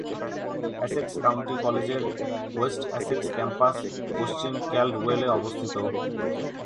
Essex County কলেজের West Essex campus পশ্চিম ক্যালডওয়েলে অবস্থিত।